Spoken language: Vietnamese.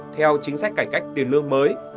theo chính sách cải cách tiền lương mới